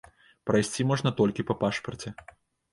Прайсці можна толькі па пашпарце.